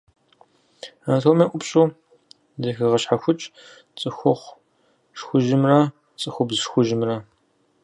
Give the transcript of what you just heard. Анатомием ӏупщӏу зэхегъэщхьэхукӏ цӏыхухъу шхужьымрэ цӏыхубз шхужьымрэ.